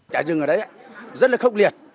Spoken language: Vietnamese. cháy rừng ở đấy rất là khốc liệt